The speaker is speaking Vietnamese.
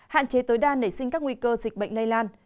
hạn chế tối đa nảy sinh các nguy cơ dịch bệnh lây lan